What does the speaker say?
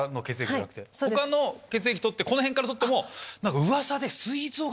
他の血液この辺から採っても。